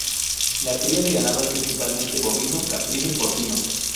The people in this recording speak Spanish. La cría de ganado es principalmente bovino, caprino y porcino.